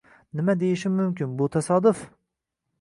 Nima deyishim mumkin, bu tasodif!